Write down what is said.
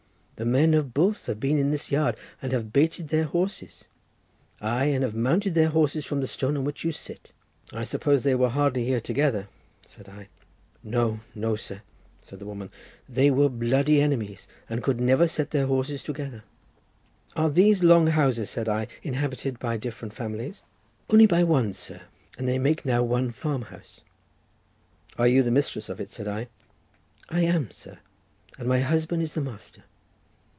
The men of both have been in this yard and have baited their horses; aye, and have mounted their horses from the stone on which you sit." "I suppose they were hardly here together?" said I. "No, no, sir," said the woman, "they were bloody enemies, and could never set their horses together." "Are these long houses," said I, "inhabited by different families?" "Only by one, sir; they make now one farm house." "Are you the mistress of it?" said I. "I am, sir, and my husband is the master.